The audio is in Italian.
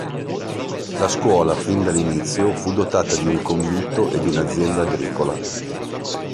La scuola, fin dall'inizio, fu dotata di un convitto e di un'azienda agricola.